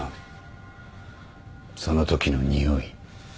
そのときのにおい。